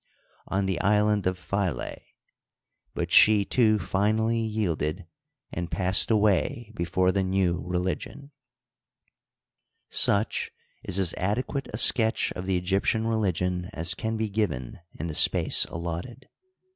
on the Island of Philae ; but she, too, finally yieldecl, and passed away before the new religion. Such is as adequate a sketch of the Egyptian religion as can be given in the space allotted.